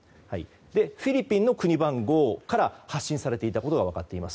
フィリピンの国番号から発信されていたことが分かっています。